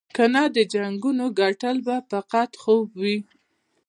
کنه د جنګونو ګټل به فقط خوب وي.